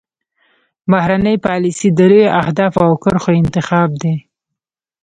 بهرنۍ پالیسي د لویو اهدافو او کرښو انتخاب دی